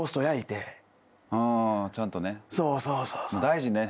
大事ね。